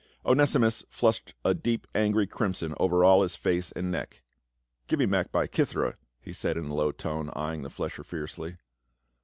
Onesimus flushed a deep angry crimson over all his face and neck. " Give me back my kithera," he said in a low tone, eyeing the flesher fiercely.